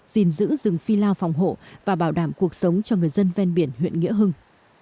gìn giữ rừng phi lao phòng hộ và bảo đảm cuộc sống cho người dân ven biển huyện nghĩa hưng